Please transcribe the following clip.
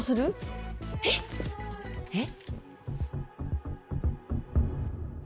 えっ？えっ。